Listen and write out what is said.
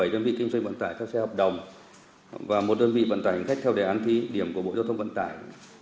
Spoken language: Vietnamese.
bảy đơn vị kinh doanh vận tải theo xe hợp đồng và một đơn vị vận tải hành khách theo đề án thí điểm của bộ giao thông vận tải